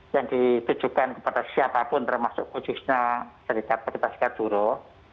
yang ditujukan kepada siapapun termasuk khususnya serikat serikat buruh